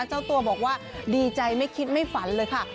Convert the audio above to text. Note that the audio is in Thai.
เจ้าตัวบอกว่าดีใจไม่คิดไม่ฝันเลยค่ะ